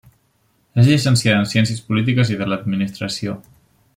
És llicenciada en ciències polítiques i de l'administració.